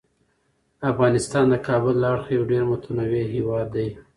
افغانستان د کابل له اړخه یو ډیر متنوع هیواد دی.